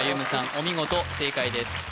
お見事正解です